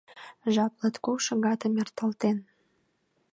Жап латкок шагатым эрталтен.